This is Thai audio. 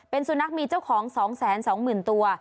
เป็นสุนัขมีเจ้าของ๒๒๐๐๐ตัว